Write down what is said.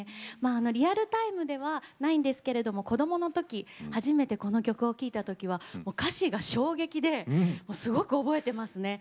リアルタイムではないんですが子どものときに初めてこの曲を聴いたときには歌詞が衝撃ですごく覚えています。